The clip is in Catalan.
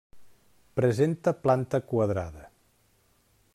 Presenta planta quadrada.